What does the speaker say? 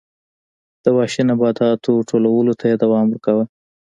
د وحشي نباتاتو ټولولو ته یې دوام ورکاوه